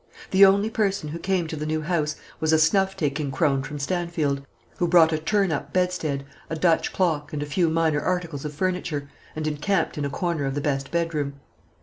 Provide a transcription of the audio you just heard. The only person who came to the new house was a snuff taking crone from Stanfield, who brought a turn up bedstead, a Dutch clock, and a few minor articles of furniture, and encamped in a corner of the best bedroom.